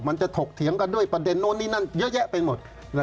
ถกเถียงกันด้วยประเด็นโน้นนี่นั่นเยอะแยะไปหมด